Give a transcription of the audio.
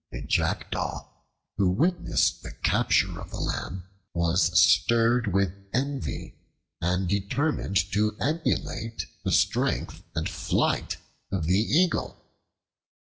A Jackdaw, who witnessed the capture of the lamb, was stirred with envy and determined to emulate the strength and flight of the Eagle.